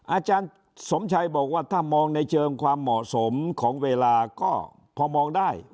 อาจารย์สมชัยบอกว่าถ้ามองในเชิงความเหมาะสมของเวลาก็พอมองได้